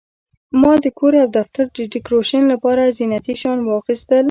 ما د کور او دفتر د ډیکوریشن لپاره زینتي شیان واخیستل.